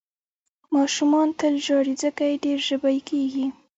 ماشومان تل ژاړي، ځکه یې ډېر ژبۍ کېږي.